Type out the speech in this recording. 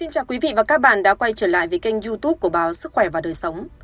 chào các bạn đã quay trở lại với kênh youtube của báo sức khỏe và đời sống